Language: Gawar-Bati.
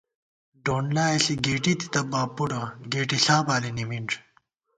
ڈونڈلائےݪی گېٹی تِتہ باب بُوڈہ، گېٹݪا بالی نِمِنݮ